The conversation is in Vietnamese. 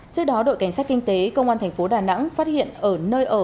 trước đó đội cảnh sát kinh tế công an thành phố đà nẵng phát hiện ở nơi ở